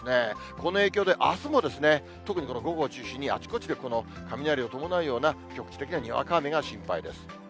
この影響で、あすも特にこの午後を中心に、あちこちでこの雷を伴うような局地的なにわか雨が心配です。